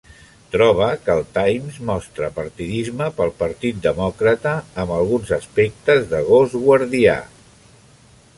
Troba que el Times mostra partidisme pel Partit Demòcrata, amb alguns aspectes de "gos guardià".